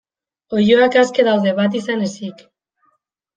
Oiloak aske daude, bat izan ezik.